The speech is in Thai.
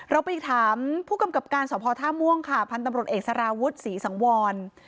เราไปถามผู้กำกับการสภท่าม่วงค่ะพันธุ์ตำรวจเอกสารวุฒิศรีสังวร